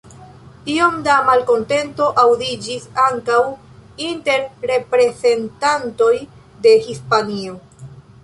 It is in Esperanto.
Iom da malkontento aŭdiĝis ankaŭ inter reprezentantoj de Hispanio.